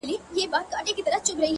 پسله کلونو چي پر ځان بدگمانې کړې ده-